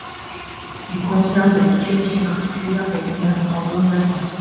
Il concerne la situation particulière des mineurs en zone d’attente.